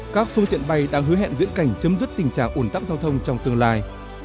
các phương tiện bay đang hứa hẹn diễn cảnh chấm dứt tình trạng ủn tắc giao thông trong tương lai